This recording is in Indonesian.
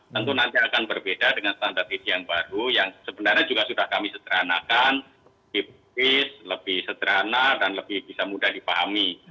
tentu nanti akan berbeda dengan standar isi yang baru yang sebenarnya juga sudah kami sederhanakan lebih sederhana dan lebih bisa mudah dipahami